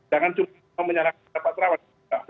jangan cuma menyarankan pak terawan